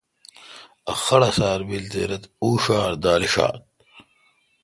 ا خڑسار بیل تے رت اوݭار دال ݭات۔